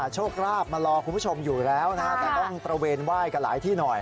โชคราบมารอคุณผู้ชมอยู่แล้วนะแต่ต้องตระเวนไหว้กันหลายที่หน่อย